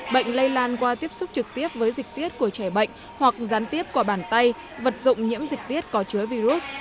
bệnh lây lan qua tiếp xúc trực tiếp với dịch tiết của trẻ bệnh hoặc gián tiếp của bàn tay vật dụng nhiễm dịch tiết có chứa virus